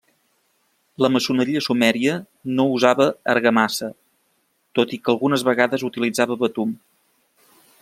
La maçoneria sumèria no usava argamassa, tot i que algunes vegades utilitzava betum.